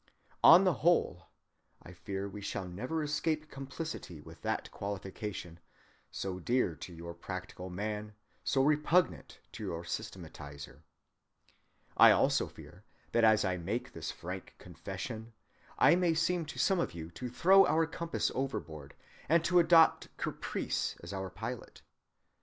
"On the whole,"—I fear we shall never escape complicity with that qualification, so dear to your practical man, so repugnant to your systematizer! I also fear that as I make this frank confession, I may seem to some of you to throw our compass overboard, and to adopt caprice as our pilot.